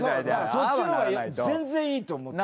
そっちのほうが全然いいと思って。